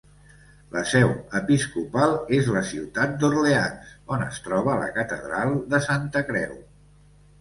La seu episcopal és la ciutat d'Orleans, on es troba la catedral de Santa Creu.